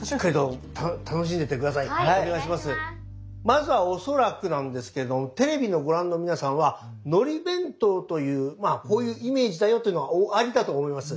まずは恐らくなんですけれどもテレビをご覧の皆さんはのり弁当というまあこういうイメージだよというのがおありだと思います。